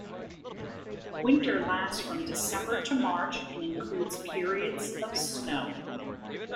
Winter lasts from December to March and includes periods of snow.